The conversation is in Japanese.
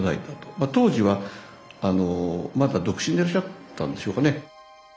まあ当時はまだ独身でいらっしゃったんでしょうかね。